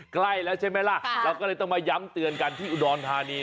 ใกล้แล้วใช่ไหมล่ะเราก็เลยต้องมาย้ำเตือนกันที่อุดรธานี